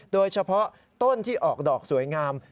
โดยเฉพาะต้นที่ออกดอกสวยงาม